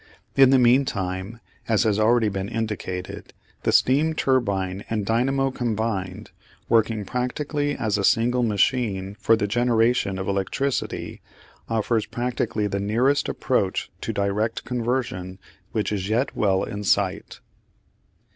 In the meantime, as has already been indicated, the steam turbine and dynamo combined, working practically as a single machine for the generation of electricity, offers practically the nearest approach to direct conversion which is yet well in sight.